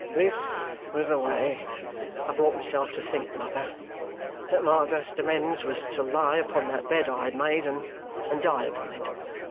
"This was the way I brought myself to think, mother, that my best amends was to lie upon that bed I had made, and die upon it.